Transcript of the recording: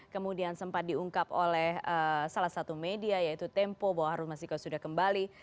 kemudian sempat diungkap oleh salah satu media yaitu tempo bahwa harun masiku sudah kembali